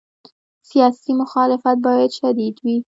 سیاسي مخالفت باید شدید وي.